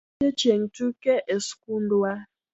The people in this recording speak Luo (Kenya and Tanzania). Ne en odiochieng' tuke e skundwa.